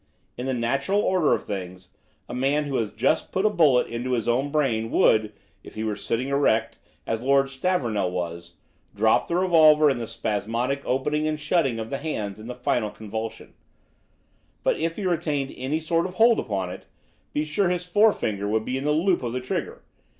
In the natural order of things, a man who had just put a bullet into his own brain would, if he were sitting erect, as Lord Stavornell was, drop the revolver in the spasmodic opening and shutting of the hands in the final convulsion; but, if he retained any sort of a hold upon it, be sure his forefinger would be in the loop of the trigger.